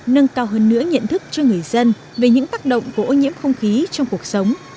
nâng cao hơn nữa nhận thức cho người dân về những tác động của ô nhiễm không khí trong cuộc sống